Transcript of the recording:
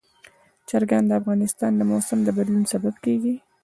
چرګان د افغانستان د موسم د بدلون سبب کېږي.